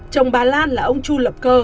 chồng bà lan là ông chu lập cơ